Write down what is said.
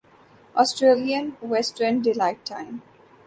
Australian western daylight time